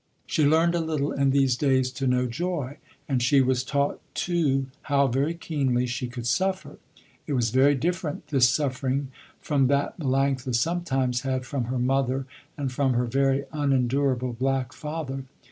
She learned a little in these days to know joy, and she was taught too how very keenly she could suffer. It was very different this suffering from that Melanctha sometimes had from her mother and from her very unendurable black father.